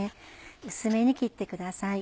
薄めに切ってください。